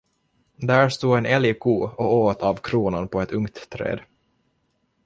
Där stod en älgko och åt av kronan på ett ungt träd.